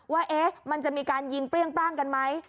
ว่ามันจะมีการยิงเปรี้ยงปร่างกันไหม